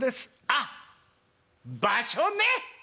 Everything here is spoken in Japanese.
「あっ場所ね。